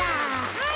はい。